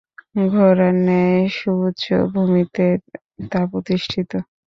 ঘোড়ার ন্যায় সুউচ্চ ভূমিতে তা প্রতিষ্ঠিত।